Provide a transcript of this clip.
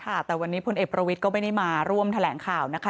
ค่ะแต่วันนี้พลเอกประวิทย์ก็ไม่ได้มาร่วมแถลงข่าวนะคะ